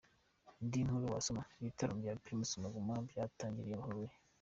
Indi nkuru wasoma: Ibitaramo bya Primus Guma Guma byatangiriye i Huye.